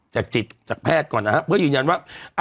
จากจิตจากแพทย์ก่อนนะครับเพื่อยืนยันว่า